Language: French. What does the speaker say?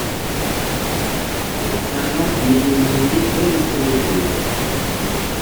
La Finlande y est éliminée dès le premier tour.